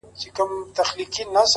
د په زړه کي اوښکي! د زړه ویني – ويني!